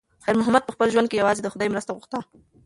خیر محمد په خپل ژوند کې یوازې د خدای مرسته غوښته.